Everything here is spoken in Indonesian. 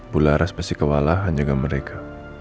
bu laras pasti kewalahan juga mereka